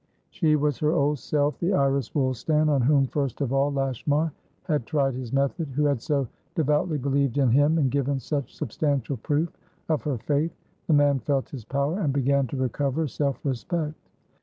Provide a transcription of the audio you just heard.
She was her old self, the Iris Woolstan on whom first of all Lashmar had tried his "method," who had so devoutly believed in him and given such substantial proof of her faith. The man felt his power, and began to recover self respect.